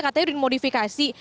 katanya udah dimodifikasi